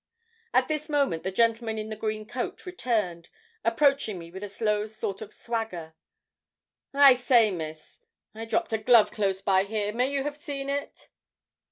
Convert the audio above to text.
At this moment the gentleman in the green coat returned, approaching me with a slow sort of swagger. 'I say, Miss, I dropped a glove close by here. May you have seen it?'